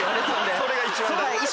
それが一番大事。